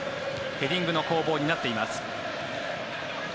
ヘディングの攻防になっています。